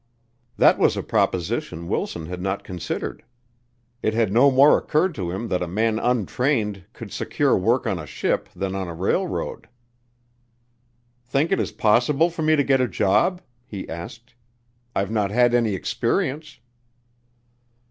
That was a proposition Wilson had not considered. It had no more occurred to him that a man untrained could secure work on a ship than on a railroad. "Think it is possible for me to get a job?" he asked. "I've not had any experience."